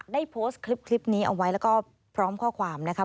ได้โพสต์คลิปนี้เอาไว้แล้วก็พร้อมข้อความนะคะ